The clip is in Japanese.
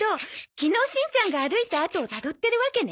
昨日しんちゃんが歩いたあとをたどってるわけね。